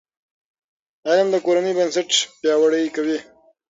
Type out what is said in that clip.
علم د کورنۍ بنسټ پیاوړی کوي.